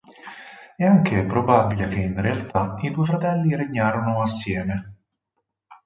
È anche probabile che in realtà i due fratelli regnarono assieme.